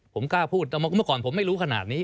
ผมกล้าพูดแต่เมื่อก่อนผมไม่รู้ขนาดนี้